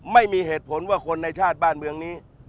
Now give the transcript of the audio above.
ไม่มีเหตุผลว่าคนในชาติบ้านเมืองนี้